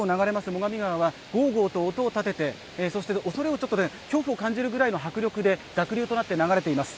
最上川はごうごうと音を立てて、恐怖を感じるぐらいの迫力で濁流となって流れています。